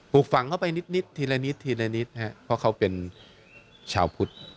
ปลูกฝังเข้าไปนิดทีละนิดเพราะเขาเป็นชาวพุทธ